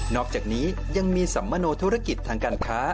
อกจากนี้ยังมีสัมมโนธุรกิจทางการค้า